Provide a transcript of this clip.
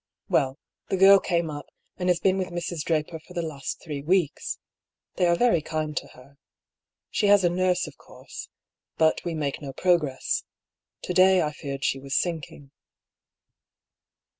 Well, the girl came up, A MORAL DUEL. 59 and has been with Mrs. Draper for the last three weeks. They are very kind to her. She has a nurse, of course. But we make no progress. To day I feared she was sinking."